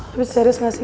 tapi serius gak sih